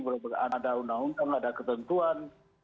ada undang undang ada ketentuan